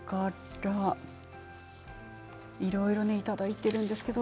いろいろいただいているんです。